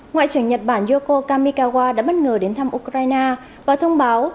ngoại trưởng nhật bản yoko kamikawa đã bất ngờ đến thăm ukraine và thông báo